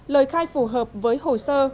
lời khai phù hợp với hồ sơ